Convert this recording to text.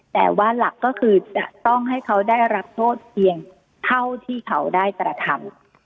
แต่ว่าหลักก็คือจะต้องให้เขาได้รับโทษเพียงเท่าที่เขาได้กระทำ